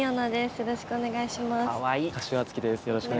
よろしくお願いします。